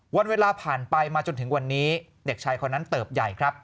วันเวลาผ่านไปมาจนถึงวันนี้เด็กชายคนนั้นเติบใหญ่ครับ